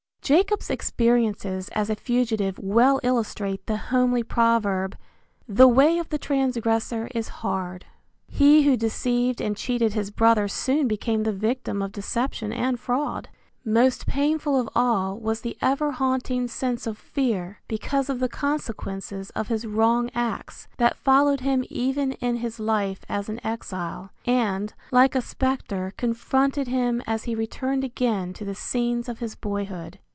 Jacob's experiences as a fugitive well illustrate the homely proverb, "The way of the transgressor is hard." He who deceived and cheated his brother soon became the victim of deception and fraud. Most painful of all was the ever haunting sense of fear because of the consequences of his wrong acts that followed him even in his life as an exile and, like a spectre, confronted him as he returned again to the scenes of his boyhood.